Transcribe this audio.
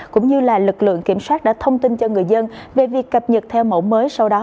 cũng như lực lượng kiểm soát đã thông tin cho người dân về việc cập nhật theo mẫu mới sau đó